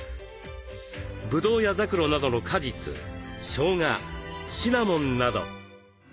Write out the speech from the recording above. ぶどうやざくろなどの果実しょうがシナモンなど。